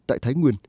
tại thái nguyên